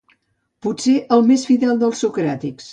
potser el més fidel dels socràtics